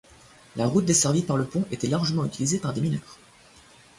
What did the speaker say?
La route desservie par le pont était largement utilisée par des mineurs.